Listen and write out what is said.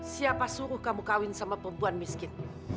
siapa suruh kamu kawin sama pembuat miskin